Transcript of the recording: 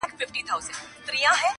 او انځورونه خپروي،